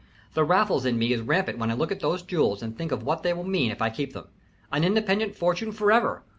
The Raffles in me is rampant when I look at those jewels and think of what they will mean if I keep them. An independent fortune forever.